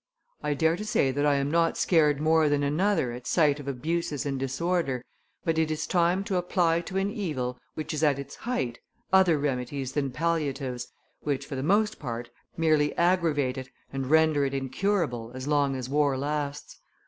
I dare to say that I am not scared more than another at sight of abuses and disorder, but it is time to apply to an evil which is at its height other remedies than palliatives, which, for the most part, merely aggravate it and render it incurable as long as war lasts.